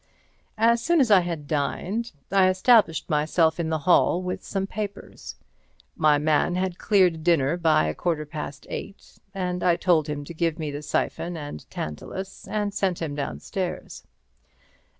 As soon as I had dined I established myself in the hall with some papers. My man had cleared dinner by a quarter past eight, and I told him to give me the siphon and tantalus; and sent him downstairs.